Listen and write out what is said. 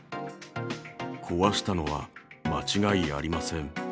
壊したのは間違いありません。